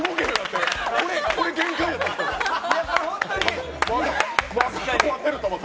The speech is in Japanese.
これ、限界やなと思って。